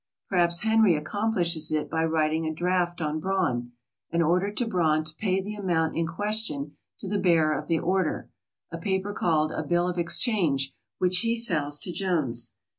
Perhaps Henry accomplishes it by writing a draft on Braun, — an order to Braun to pay the amount in question to the bearer of the order, — a paper called a bill of exchange, which he sells to Jones.